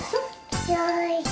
よいしょ。